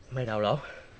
mày đào lỗ